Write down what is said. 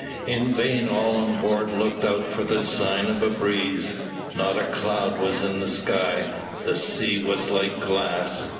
In vain all on board looked out for the sign of a breeze. Not a cloud was in the sky the sea was like glass.